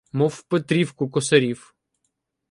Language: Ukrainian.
Мов в петрівку косарів.